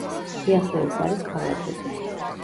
სიახლოვეს არის ქალაქები.